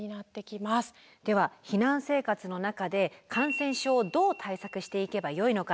では避難生活の中で感染症をどう対策していけばよいのか。